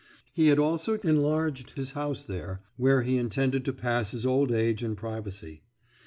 He had also enlarged his house there, where he intended to pass his old age in privacy.